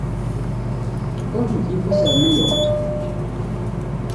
Tṛuḥemt yewwas ɣer New York?